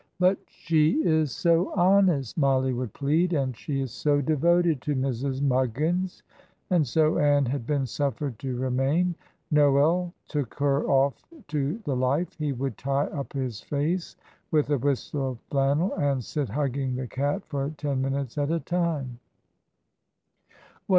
"But she is so honest," Mollie would plead, "and she is so devoted to Mrs. Muggins," and so Ann had been suffered to remain. Noel took her off to the life. He would tie up his face with a wisp of flannel and sit hugging the cat for ten minutes at a time.